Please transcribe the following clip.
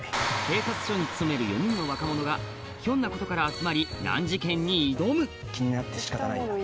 警察署に勤める４人の若者がひょんなことから集まり難事件に挑む気になって仕方ないんだ。